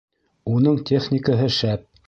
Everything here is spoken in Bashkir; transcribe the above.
Уның техникаһы шәп